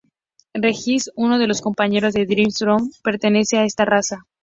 Regis, uno de los compañeros de Drizzt Do'Urden, pertenece a esta raza.